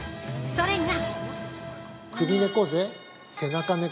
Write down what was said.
それが！